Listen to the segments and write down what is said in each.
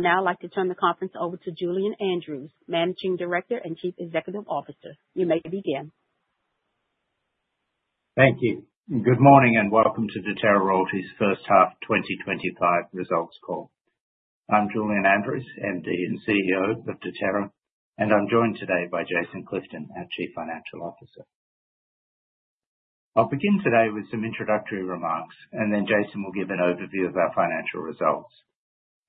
Now I'd like to turn the conference over to Julian Andrews, Managing Director and Chief Executive Officer. You may begin. Thank you. Good morning and welcome to Deterra Royalties First Half 2025 Results Call. I'm Julian Andrews, MD and CEO of Deterra, and I'm joined today by Jason Clifton, our Chief Financial Officer. I'll begin today with some introductory remarks, and then Jason will give an overview of our financial results.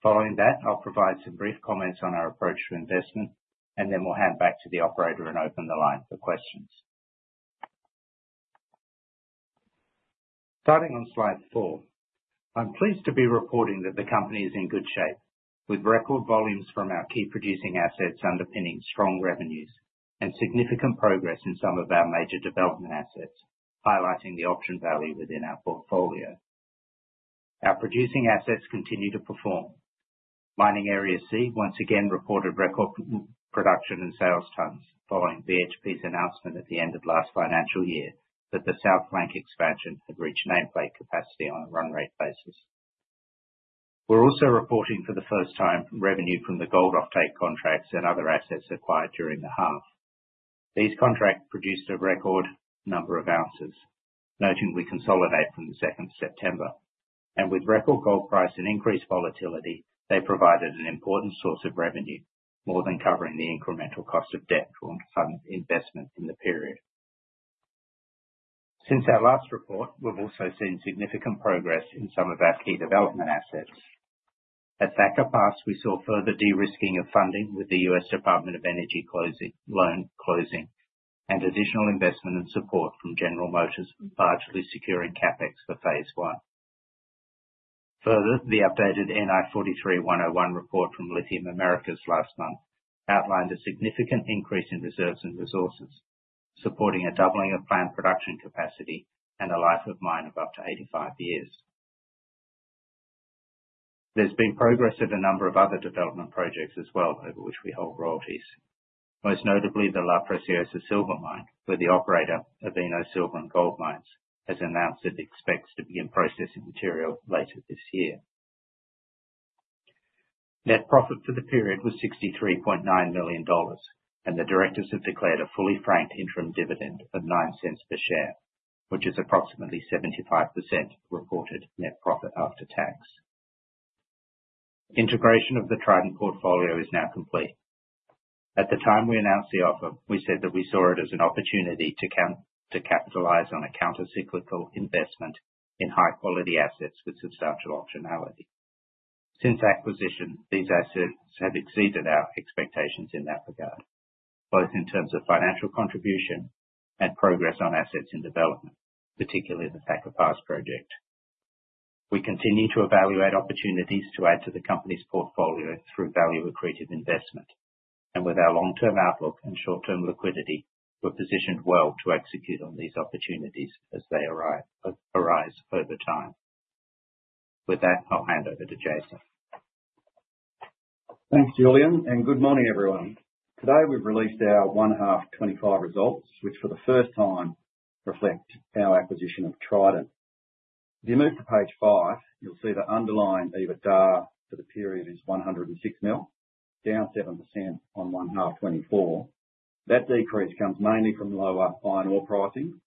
Following that, I'll provide some brief comments on our approach to investment, and then we'll hand back to the operator and open the line for questions. Starting on slide four, I'm pleased to be reporting that the company is in good shape, with record volumes from our key producing assets underpinning strong revenues and significant progress in some of our major development assets, highlighting the option value within our portfolio. Our producing assets continue to perform. Mining Area C once again reported record production and sales tons following BHP's announcement at the end of last financial year that the South Flank expansion had reached nameplate capacity on a run rate basis. We're also reporting for the first time revenue from the gold offtake contracts and other assets acquired during the half. These contracts produced a record number of ounces, noting we consolidate from the 2nd of September, and with record gold price and increased volatility, they provided an important source of revenue, more than covering the incremental cost of debt from investment in the period. Since our last report, we've also seen significant progress in some of our key development assets. At Thacker Pass, we saw further de-risking of funding with the U.S. Department of Energy loan closing and additional investment and support from General Motors, largely securing CapEx for phase one. Further, the updated NI 43-101 report from Lithium Americas last month outlined a significant increase in reserves and resources, supporting a doubling of planned production capacity and a life of mine of up to 85 years. There's been progress at a number of other development projects as well, over which we hold royalties, most notably the La Preciosa Silver Mine, where the operator, Avino Silver and Gold Mines, has announced it expects to begin processing material later this year. Net profit for the period was 63.9 million dollars, and the directors have declared a fully franked interim dividend of 0.09 per share, which is approximately 75% of reported net profit after tax. Integration of the Trident portfolio is now complete. At the time we announced the offer, we said that we saw it as an opportunity to capitalize on a counter-cyclical investment in high-quality assets with substantial optionality. Since acquisition, these assets have exceeded our expectations in that regard, both in terms of financial contribution and progress on assets in development, particularly the Thacker Pass project. We continue to evaluate opportunities to add to the company's portfolio through value-accretive investment, and with our long-term outlook and short-term liquidity, we're positioned well to execute on these opportunities as they arise over time. With that, I'll hand over to Jason. Thanks, Julian, and good morning, everyone. Today we've released our 1H 2024 results, which for the first time reflect our acquisition of Trident. If you move to page five, you'll see the underlying EBITDA for the period is 106 million, down 7% on 1H 2024. That decrease comes mainly from lower iron ore pricing,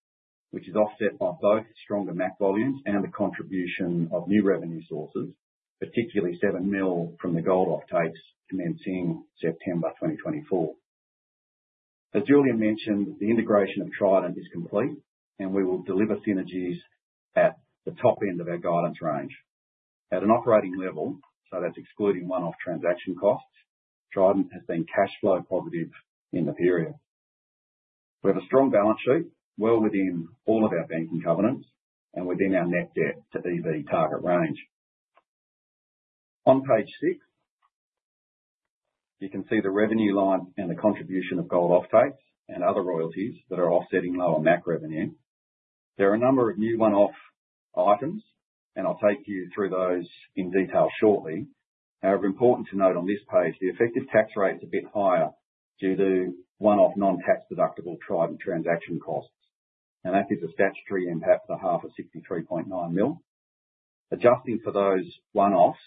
which is offset by both stronger MAC volumes and the contribution of new revenue sources, particularly 7 million from the gold offtakes commencing September 2024. As Julian mentioned, the integration of Trident is complete, and we will deliver synergies at the top end of our guidance range. At an operating level, so that's excluding one-off transaction costs, Trident has been cash flow positive in the period. We have a strong balance sheet, well within all of our banking covenants and within our net debt to EV target range. On page six, you can see the revenue line and the contribution of gold offtakes and other royalties that are offsetting lower MAC revenue. There are a number of new one-off items, and I'll take you through those in detail shortly. However, important to note on this page, the effective tax rate is a bit higher due to one-off non-tax deductible Trident transaction costs, and that gives a statutory impact of the half of 63.9 million. Adjusting for those one-offs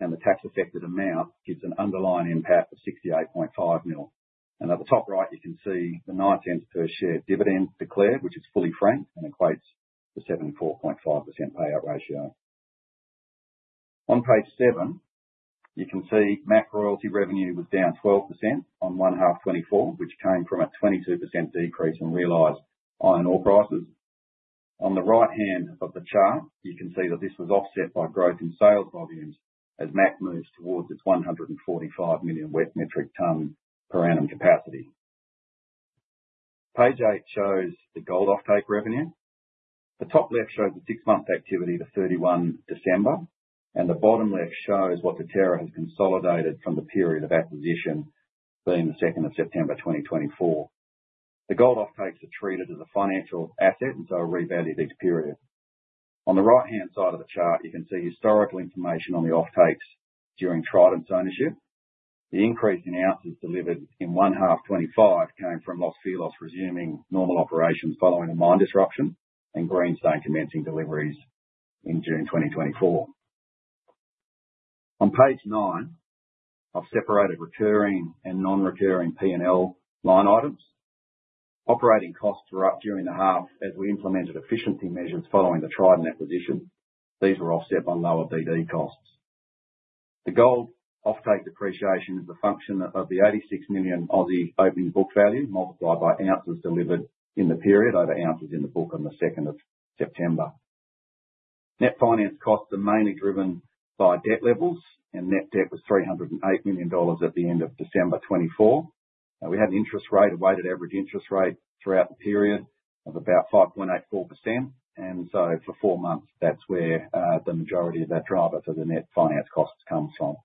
and the tax-affected amount gives an underlying impact of 68.5 million, and at the top right, you can see the 0.09 per share dividend declared, which is fully franked and equates to 74.5% payout ratio. On page seven, you can see MAC royalty revenue was down 12% on 1H24, which came from a 22% decrease in realized iron ore prices. On the right hand of the chart, you can see that this was offset by growth in sales volumes as MAC moves towards its 145 million wet metric tonne per annum capacity. Page eight shows the gold offtake revenue. The top left shows the six-month activity to 31 December, and the bottom left shows what Deterra has consolidated from the period of acquisition being the 2nd of September 2024. The gold offtakes are treated as a financial asset, and so are revalued each period. On the right-hand side of the chart, you can see historical information on the offtakes during Trident's ownership. The increase in ounces delivered in 1H25 came from Los Filos resuming normal operations following a mine disruption and Greenstone commencing deliveries in June 2024. On page nine, I've separated recurring and non-recurring P&L line items. Operating costs were up during the half as we implemented efficiency measures following the Trident acquisition. These were offset by lower BD costs. The gold offtake depreciation is the function of the 86 million opening book value multiplied by ounces delivered in the period over ounces in the book on the 2nd of September. Net finance costs are mainly driven by debt levels, and net debt was 308 million dollars at the end of December 2024. We had an interest rate, a weighted average interest rate throughout the period of about 5.84%, and so for four months, that's where the majority of that driver for the net finance costs comes from.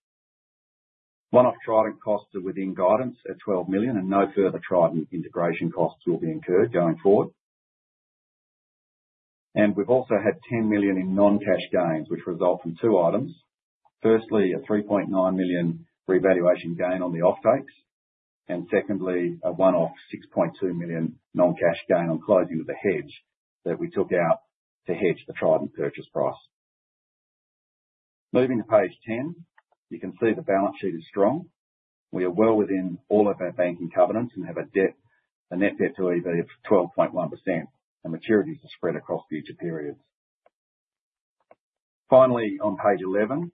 One-off Trident costs are within guidance at 12 million, and no further Trident integration costs will be incurred going forward. And we've also had 10 million in non-cash gains, which result from two items. Firstly, an 3.9 million revaluation gain on the offtakes, and secondly, a one-off 6.2 million non-cash gain on closing of the hedge that we took out to hedge the Trident purchase price. Moving to page 10, you can see the balance sheet is strong. We are well within all of our banking covenants and have a net debt to EV of 12.1%, and maturities are spread across future periods. Finally, on page 11,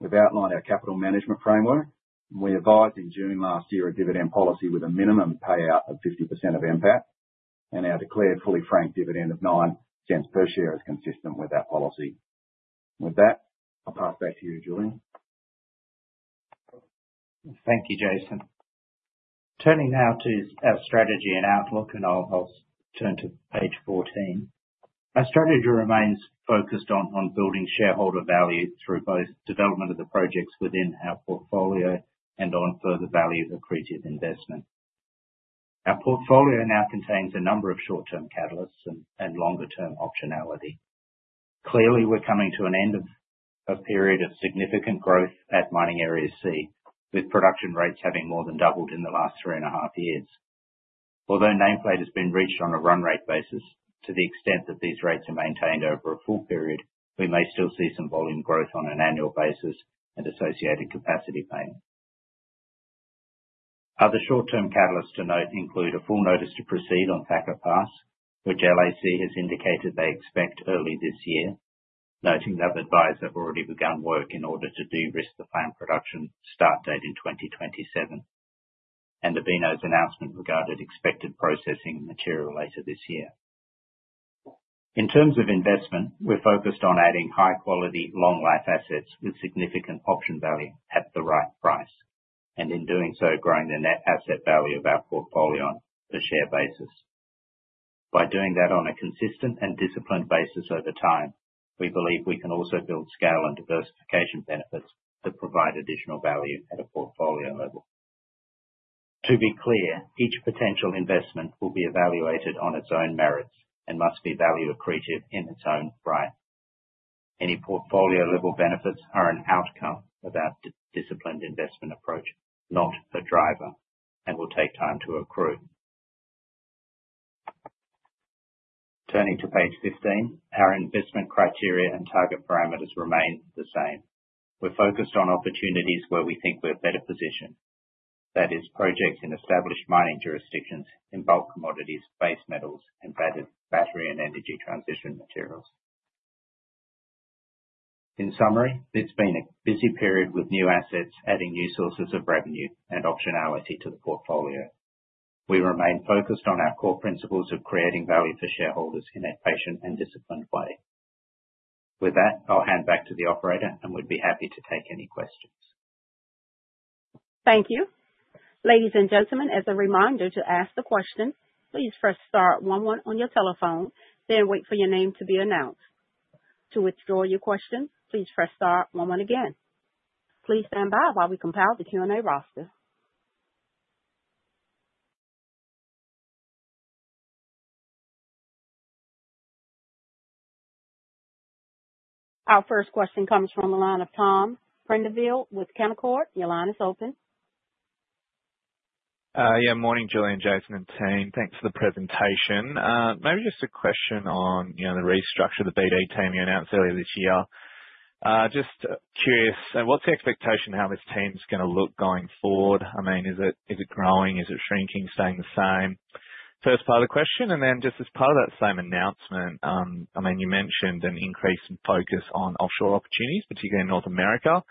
we've outlined our capital management framework. We advised in June last year a dividend policy with a minimum payout of 50% of NPAT, and our declared fully franked dividend of 0.09 per share is consistent with that policy. With that, I'll pass back to you, Julian. Thank you, Jason. Turning now to our strategy and outlook, and I'll turn to page 14. Our strategy remains focused on building shareholder value through both development of the projects within our portfolio and on further value-accretive investment. Our portfolio now contains a number of short-term catalysts and longer-term optionality. Clearly, we're coming to an end of a period of significant growth at Mining Area C, with production rates having more than doubled in the last three and a half years. Although nameplate has been reached on a run rate basis, to the extent that these rates are maintained over a full period, we may still see some volume growth on an annual basis and associated capacity payment. Other short-term catalysts to note include a full notice to proceed on Thacker Pass, which LAC has indicated they expect early this year, noting that the buyers have already begun work in order to de-risk the planned production start date in 2027, and Avino's announcement regarding expected processing and material later this year. In terms of investment, we're focused on adding high-quality, long-life assets with significant option value at the right price, and in doing so, growing the net asset value of our portfolio on a share basis. By doing that on a consistent and disciplined basis over time, we believe we can also build scale and diversification benefits that provide additional value at a portfolio level. To be clear, each potential investment will be evaluated on its own merits and must be value-accretive in its own right. Any portfolio-level benefits are an outcome of our disciplined investment approach, not a driver, and will take time to accrue. Turning to page 15, our investment criteria and target parameters remain the same. We're focused on opportunities where we think we're better positioned. That is, projects in established mining jurisdictions in bulk commodities, base metals, and battery and energy transition materials. In summary, it's been a busy period with new assets adding new sources of revenue and optionality to the portfolio. We remain focused on our core principles of creating value for shareholders in a patient and disciplined way. With that, I'll hand back to the operator, and we'd be happy to take any questions. Thank you. Ladies and gentlemen, as a reminder to ask the question, please press star one-one on your telephone, then wait for your name to be announced. To withdraw your question, please press star one-one again. Please stand by while we compile the Q&A roster. Our first question comes from the line of Tom Prendiville with Canaccord. Your line is open. Yeah, morning, Julian, Jason, and Team. Thanks for the presentation. Maybe just a question on the restructure of the BD team you announced earlier this year. Just curious, what's the expectation of how this team's going to look going forward? I mean, is it growing? Is it shrinking, staying the same? First part of the question, and then just as part of that same announcement, I mean, you mentioned an increase in focus on offshore opportunities, particularly in North America.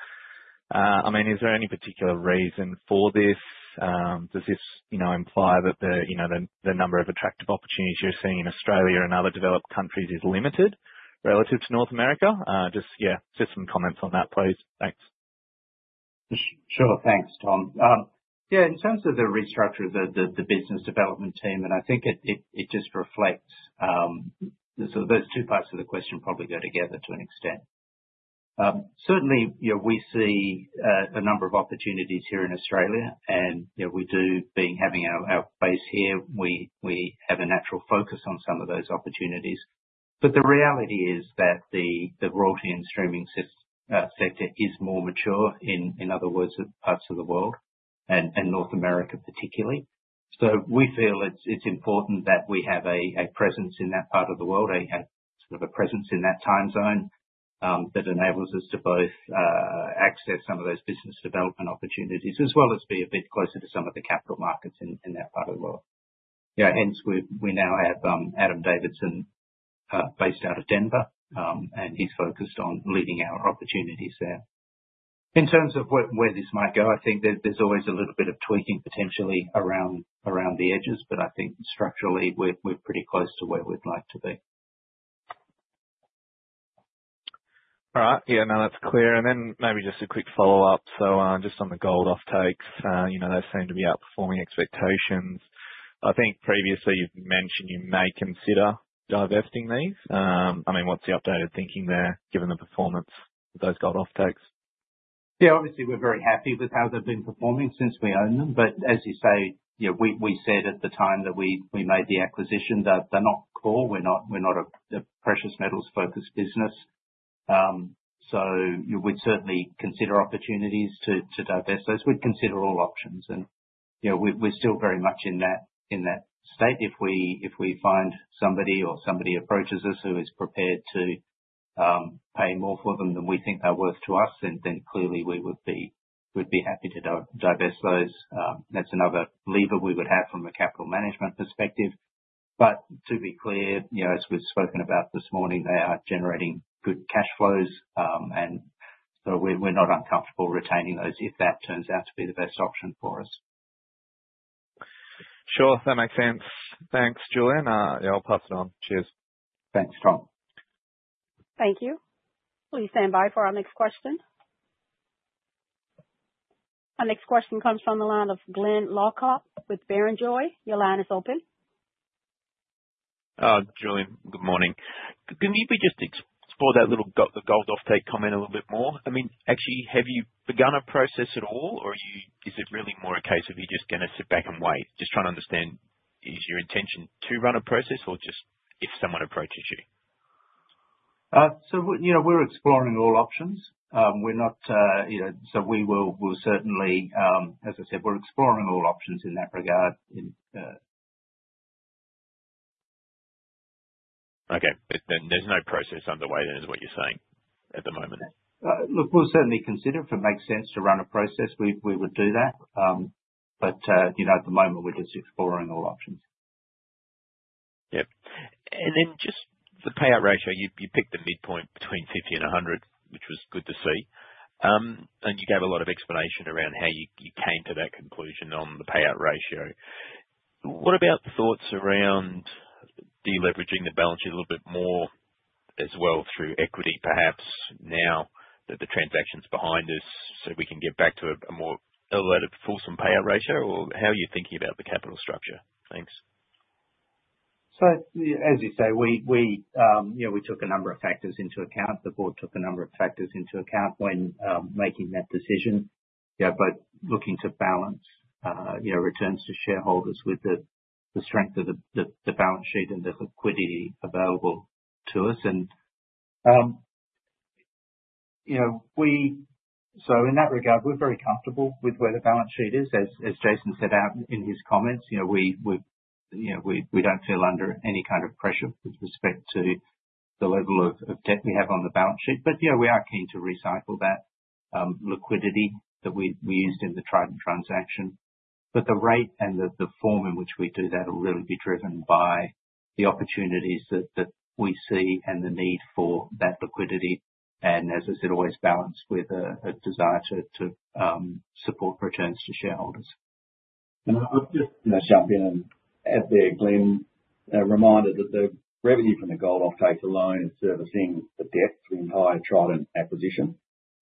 I mean, is there any particular reason for this? Does this imply that the number of attractive opportunities you're seeing in Australia and other developed countries is limited relative to North America? Just, yeah, just some comments on that, please. Thanks. Sure. Thanks, Tom. Yeah, in terms of the restructure of the business development team, and I think it just reflects, so those two parts of the question probably go together to an extent. Certainly, we see a number of opportunities here in Australia, and we do, having our base here, we have a natural focus on some of those opportunities. But the reality is that the royalty and streaming sector is more mature, in other words, in parts of the world, and North America particularly. So we feel it's important that we have a presence in that part of the world, a sort of a presence in that time zone that enables us to both access some of those business development opportunities as well as be a bit closer to some of the capital markets in that part of the world. Yeah, hence we now have Adam Davidson based out of Denver, and he's focused on leading our opportunities there. In terms of where this might go, I think there's always a little bit of tweaking potentially around the edges, but I think structurally we're pretty close to where we'd like to be. All right. Yeah, no, that's clear, and then maybe just a quick follow-up, so just on the gold offtakes, those seem to be outperforming expectations. I think previously you've mentioned you may consider divesting these. I mean, what's the updated thinking there given the performance of those gold offtakes? Yeah, obviously we're very happy with how they've been performing since we own them, but as you say, we said at the time that we made the acquisition that they're not core. We're not a precious metals-focused business. So we'd certainly consider opportunities to divest those. We'd consider all options, and we're still very much in that state if we find somebody or somebody approaches us who is prepared to pay more for them than we think they're worth to us, then clearly we would be happy to divest those. That's another lever we would have from a capital management perspective. But to be clear, as we've spoken about this morning, they are generating good cash flows, and so we're not uncomfortable retaining those if that turns out to be the best option for us. Sure. That makes sense. Thanks, Julian. I'll pass it on. Cheers. Thanks, Tom. Thank you. Please stand by for our next question. Our next question comes from the line of Glyn Lawcock with Barrenjoey. Your line is open. Julian, good morning. Can you just explore that little gold offtake comment a little bit more? I mean, actually, have you begun a process at all, or is it really more a case of you just going to sit back and wait? Just trying to understand, is your intention to run a process or just if someone approaches you? So we're exploring all options. We're not, so we will certainly, as I said, we're exploring all options in that regard. Okay. There's no process underway, then is what you're saying at the moment? Look, we'll certainly consider if it makes sense to run a process. We would do that. But at the moment, we're just exploring all options. Yep. And then just the payout ratio, you picked the midpoint between 50 and 100, which was good to see. And you gave a lot of explanation around how you came to that conclusion on the payout ratio. What about thoughts around deleveraging the balance sheet a little bit more as well through equity, perhaps now that the transaction's behind us, so we can get back to a more elevated fulsome payout ratio, or how are you thinking about the capital structure? Thanks. So as you say, we took a number of factors into account. The board took a number of factors into account when making that decision, but looking to balance returns to shareholders with the strength of the balance sheet and the liquidity available to us. And so in that regard, we're very comfortable with where the balance sheet is. As Jason said in his comments, we don't feel under any kind of pressure with respect to the level of debt we have on the balance sheet. But yeah, we are keen to recycle that liquidity that we used in the Trident transaction. But the rate and the form in which we do that will really be driven by the opportunities that we see and the need for that liquidity. And as I said, always balanced with a desire to support returns to shareholders. I'll just jump in. As Glyn reminded that the revenue from the gold offtakes alone is servicing the debt for the entire Trident acquisition.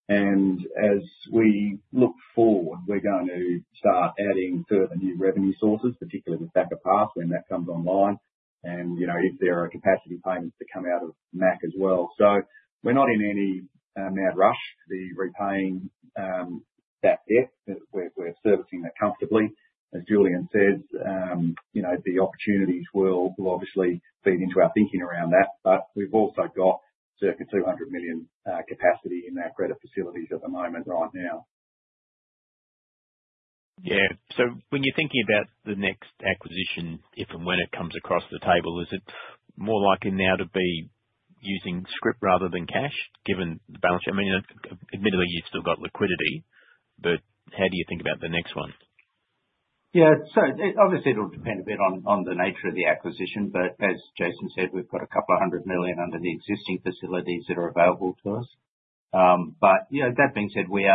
And as we look forward, we're going to start adding further new revenue sources, particularly with Thacker Pass when that comes online, and if there are capacity payments to come out of MAC as well. So we're not in any mad rush to be repaying that debt. We're servicing that comfortably. As Julian says, the opportunities will obviously feed into our thinking around that, but we've also got circa 200 million capacity in our credit facilities at the moment right now. Yeah. So when you're thinking about the next acquisition, if and when it comes across the table, is it more likely now to be using scrip rather than cash given the balance sheet? I mean, admittedly, you've still got liquidity, but how do you think about the next one? Yeah. So obviously, it'll depend a bit on the nature of the acquisition, but as Jason said, we've got 200 million under the existing facilities that are available to us. But that being said, we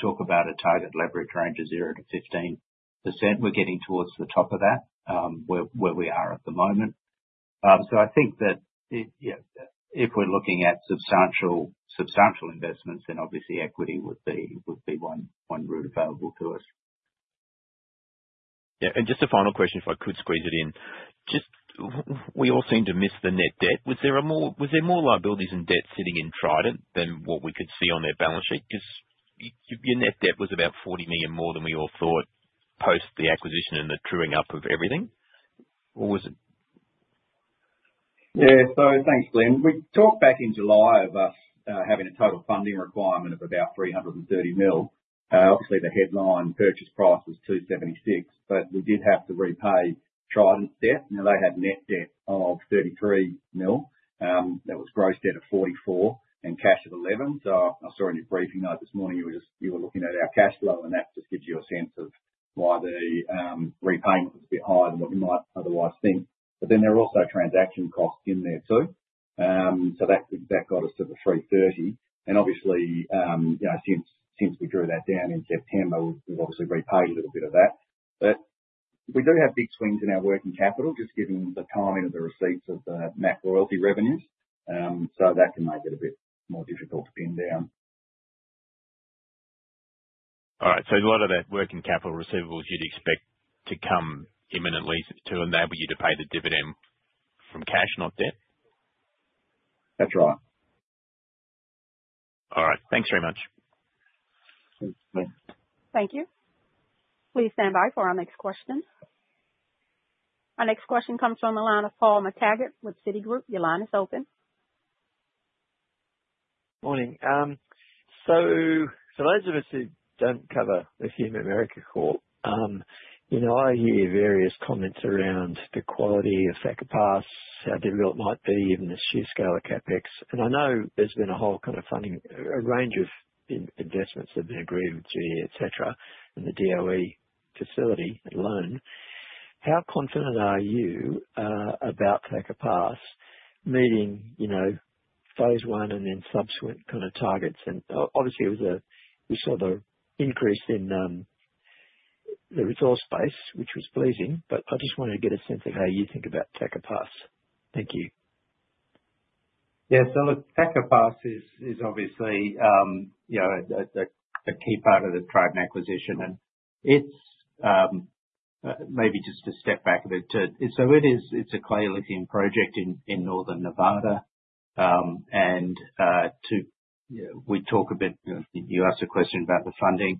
talk about a target leverage range of 0%-15%. We're getting towards the top of that where we are at the moment. So I think that if we're looking at substantial investments, then obviously equity would be one route available to us. Yeah, and just a final question if I could squeeze it in. Just we all seem to miss the net debt. Was there more liabilities and debt sitting in Trident than what we could see on their balance sheet? Because your net debt was about 40 million more than we all thought post the acquisition and the truing up of everything, or was it? Yeah. So thanks, Glyn. We talked back in July of us having a total funding requirement of about 330 million. Obviously, the headline purchase price was 276 million, but we did have to repay Trident's debt. Now, they had net debt of 33 million. That was gross debt of 44 million and cash of 11 million. So I saw in your briefing note this morning, you were looking at our cash flow, and that just gives you a sense of why the repayment was a bit higher than what you might otherwise think. But then there are also transaction costs in there too. So that got us to the 330 million. And obviously, since we drew that down in September, we've obviously repaid a little bit of that. But we do have big swings in our working capital, just given the timing of the receipts of the MAC royalty revenues. So that can make it a bit more difficult to pin down. All right. So a lot of that working capital receivables you'd expect to come imminently to enable you to pay the dividend from cash, not debt? That's right. All right. Thanks very much. Thanks, Glyn. Thank you. Please stand by for our next question. Our next question comes from the line of Paul McTaggart with Citigroup. Your line is open. Morning. So for those of us who don't cover the Lithium Americas Corp, I hear various comments around the quality of Thacker Pass, how difficult it might be, even the sheer scale of CapEx. And I know there's been a whole kind of funding a range of investments that have been agreed with GM, etc., and the DOE facility alone. How confident are you about Thacker Pass meeting phase one and then subsequent kind of targets? And obviously, we saw the increase in the resource base, which was pleasing, but I just wanted to get a sense of how you think about Thacker Pass. Thank you. Yeah. So look, Thacker Pass is obviously a key part of the Trident acquisition. And maybe just to step back a bit to it, so it is a clear lithium project in northern Nevada. And we talk a bit you asked a question about the funding.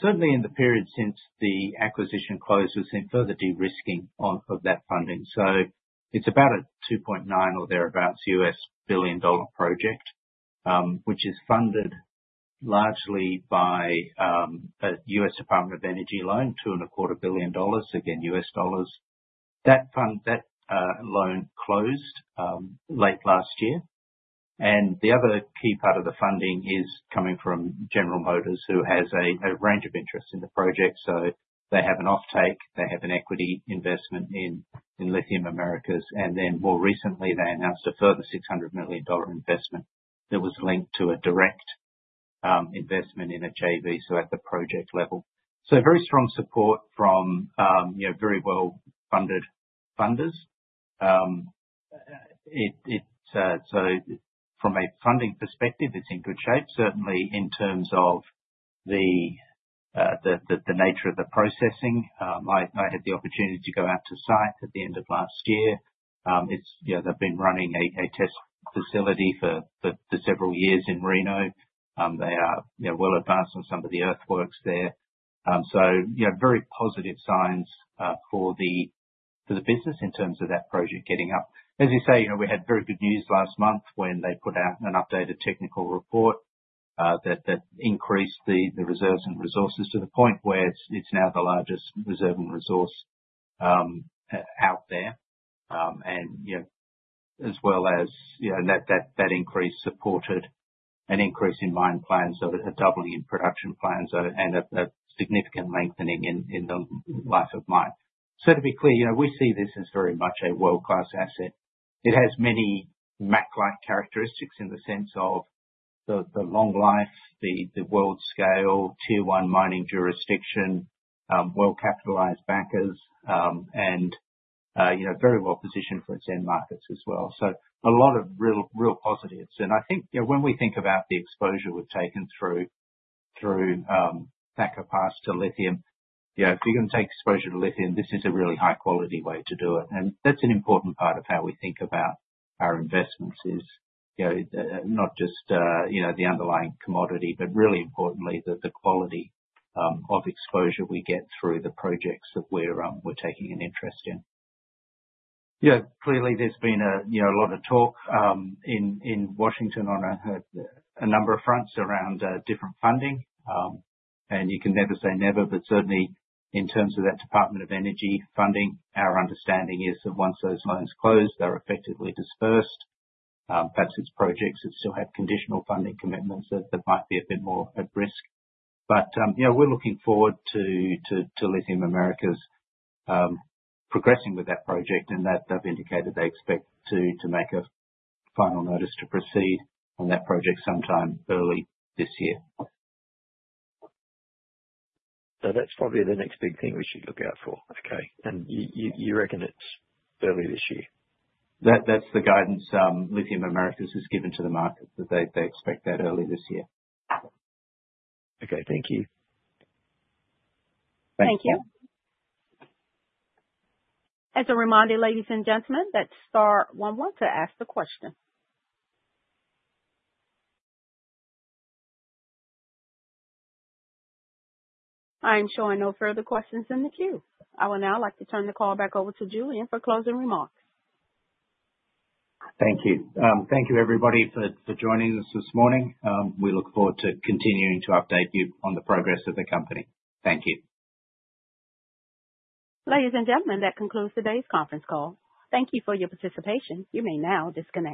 Certainly, in the period since the acquisition closed, we've seen further de-risking of that funding. So it's about a $2.9 billion project or thereabouts, which is funded largely by a US Department of Energy loan, $2.25 billion, again, US dollars. That loan closed late last year. And the other key part of the funding is coming from General Motors, who has a range of interests in the project. So they have an offtake. They have an equity investment in Lithium Americas. And then more recently, they announced a further $600 million investment that was linked to a direct investment in a JV, so at the project level. So very strong support from very well-funded funders. So from a funding perspective, it's in good shape, certainly in terms of the nature of the processing. I had the opportunity to go out to site at the end of last year. They've been running a test facility for several years in Reno. They are well advanced on some of the earthworks there. So very positive signs for the business in terms of that project getting up. As you say, we had very good news last month when they put out an updated technical report that increased the reserves and resources to the point where it's now the largest reserve and resource out there. And as well as that increase supported an increase in mine plans, a doubling in production plans, and a significant lengthening in the life of mine. So to be clear, we see this as very much a world-class asset. It has many MAC-like characteristics in the sense of the long life, the world scale, tier one mining jurisdiction, well-capitalized backers, and very well positioned for its end markets as well. So a lot of real positives. And I think when we think about the exposure we've taken through Thacker Pass to lithium, if you're going to take exposure to lithium, this is a really high-quality way to do it. And that's an important part of how we think about our investments, is not just the underlying commodity, but really importantly, the quality of exposure we get through the projects that we're taking an interest in. Yeah. Clearly, there's been a lot of talk in Washington on a number of fronts around different funding. And you can never say never, but certainly in terms of that Department of Energy funding, our understanding is that once those loans close, they're effectively dispersed. Perhaps it's projects that still have conditional funding commitments that might be a bit more at risk. But we're looking forward to Lithium Americas progressing with that project, and they've indicated they expect to make a final notice to proceed on that project sometime early this year. So that's probably the next big thing we should look out for. Okay. And you reckon it's early this year? That's the guidance Lithium Americas has given to the market, that they expect that early this year. Okay. Thank you. Thank you. As a reminder, ladies and gentlemen, that's Star 11 to ask the question. I am showing no further questions in the queue. I would now like to turn the call back over to Julian for closing remarks. Thank you. Thank you, everybody, for joining us this morning. We look forward to continuing to update you on the progress of the company. Thank you. Ladies and gentlemen, that concludes today's conference call. Thank you for your participation. You may now disconnect.